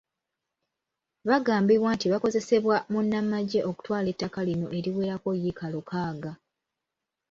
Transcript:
Bagambibwa nti bakozesebwa munnamagye okutwala ettaka lino eriwerako yiika lukaaga.